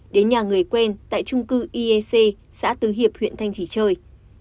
đến nhà người quen tại trung cư iec xã tứ hiệp huyện thanh trì chơi